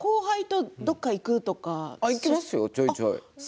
行きますよ、ちょいちょい。